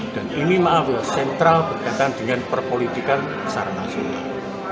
ini maaf ya sentral berkaitan dengan perpolitikan secara nasional